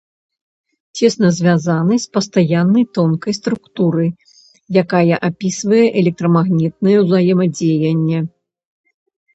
Цесна звязаны з пастаяннай тонкай структуры, якая апісвае электрамагнітнае ўзаемадзеянне.